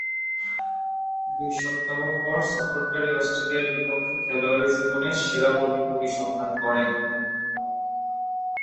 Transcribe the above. দুই সপ্তাহ পর সফরকারী অস্ট্রেলিয়ার বিপক্ষে খেলোয়াড়ী জীবনের সেরা বোলিং পরিসংখ্যান গড়েন।